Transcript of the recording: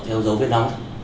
theo dấu viết đóng